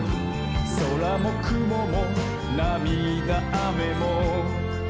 「そらもくももなみだあめも」